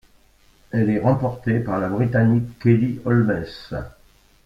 Elle est remportée par la Britannique Kelly Holmes.